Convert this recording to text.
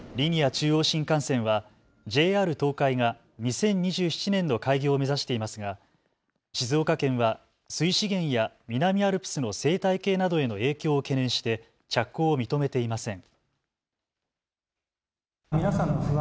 中央新幹線はＪＲ東海が２０２７年の開業を目指していますが静岡県は水資源や南アルプスの生態系などへの影響を懸念して着工を認めていません。